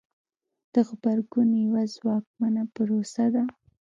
د غبرګون یوه ځواکمنه پروسه ده.